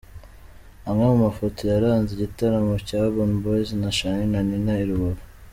Amwe mu mafoto yaranze igitaramo cya Urban Boys na Charly na Nina i Rubavu :.